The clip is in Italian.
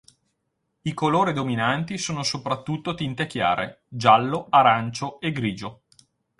I colori dominanti sono soprattutto tinte chiare: giallo, arancio e grigio.